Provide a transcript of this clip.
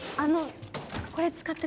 これ使ってください。